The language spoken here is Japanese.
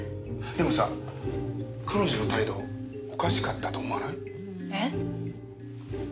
でもさ彼女の態度おかしかったと思わない？え？